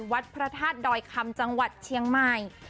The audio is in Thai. วัดพระธาตุดอยคำจังหวัดเชียงใหม่